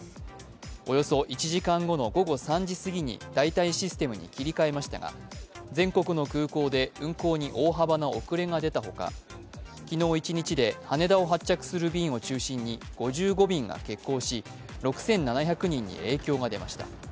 およそ１時間後の午後３時すぎに代替システムに切り替えましたが全国の空港で運航に大幅な遅れが出たほか昨日一日で羽田を発着する便を中心に５５便が欠航し、６７００人に影響が出ました。